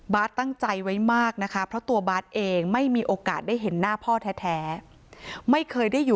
บาสตั้งใจไว้ด้วย